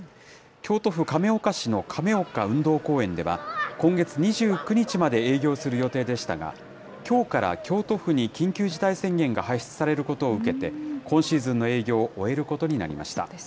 京都府亀岡市の亀岡運動公園では、今月２９日まで営業する予定でしたが、きょうから京都府に緊急事態宣言が発出されることを受けて、今シーズンの営業を終えることになりました。